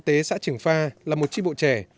lĩnh vực phát triển kinh tế xã trường pha là một chi bộ trẻ